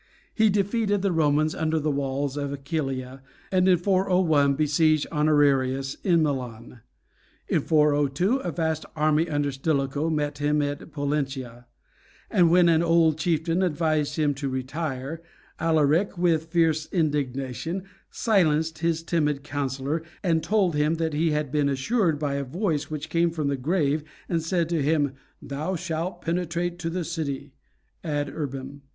He defeated the Romans under the walls of Aquileia, and in 401 besieged Honorius in Milan. In 402 a vast army under Stilicho met him at Pollentia; and when an old chieftain advised him to retire, Alaric, with fierce indignation, silenced his timid counsellor, and told him that he had been assured by a voice which came from the grave and said to him, "Thou shalt penetrate to the City" (ad Urbem).